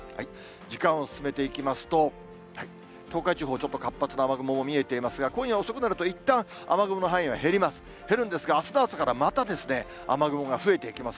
時間を進めていきますと、東海地方、ちょっと活発な雨雲が見えてますが、今夜遅くなるといったん、雨雲の範囲は減ります。